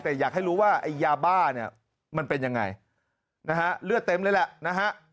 แต่อยากให้รู้ว่าไอ้ยาบ้าเนี่ยมันเป็นยังไงนะฮะเลือดเต็มเลยแหละนะฮะ